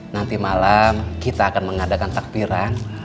nanti malam kita akan mengadakan takbiran